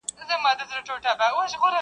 که بل څوک پر تا مین وي د خپل ځان لري غوښتنه،